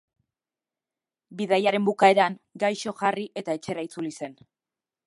Bidaiaren bukaeran, gaixo jarri eta etxera itzuli zen.